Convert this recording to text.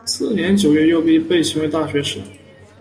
次年九月又被命为大学士。